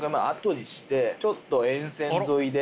ちょっと沿線沿いで。